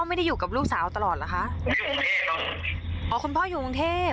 ไม่อยู่กรุงเทพฯแล้วอ๋อคุณพ่ออยู่กรุงเทพฯ